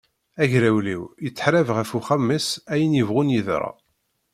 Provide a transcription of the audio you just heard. Agrawliw yettḥarab ɣef uxxam-is ayen yebɣun yeḍra!